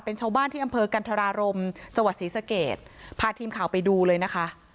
เป็นชาวบ้านที่อำเภอกันธรารมจังหวัดศรีสะเกดพาทีมข่าวไปดูเลยนะคะ